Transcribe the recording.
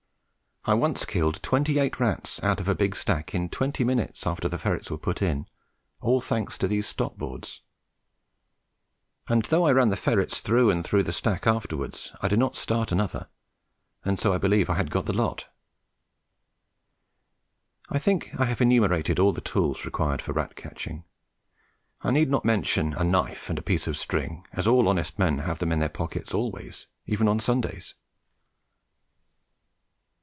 I once killed twenty eight rats out of a big stack in twenty minutes after the ferrets were put in, all thanks to these stop boards; and though I ran the ferrets through and through the stack afterwards, I did not start another, and so I believe I had got the lot. I think I have enumerated all the tools required for rat catching. I need not mention a knife and a piece of string, as all honest men have them in their pocket always, even on Sundays.